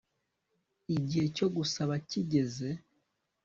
igihe cyo gusaba kigeze